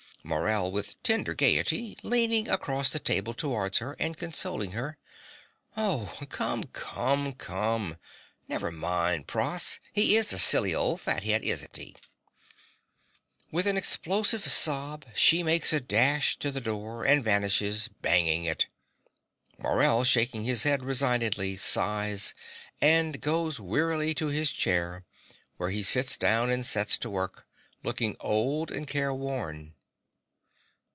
MORELL (with tender gaiety, leaning across the table towards her, and consoling her). Oh, come, come, come! Never mind, Pross: he IS a silly old fathead, isn't he? (With an explosive sob, she makes a dash at the door, and vanishes, banging it. Morell, shaking his head resignedly, sighs, and goes wearily to his chair, where he sits down and sets to work, looking old and careworn.)